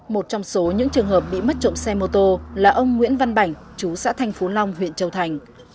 một trong số những trường hợp bị mất trộm xe mô tô là ông nguyễn văn bảnh chú xã thanh phú long huyện châu thành